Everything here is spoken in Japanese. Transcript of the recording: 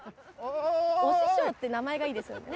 「推し匠」って名前がいいですよね。